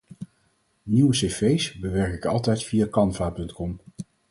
Nieuwe cv's bewerk ik altijd via Canva.com.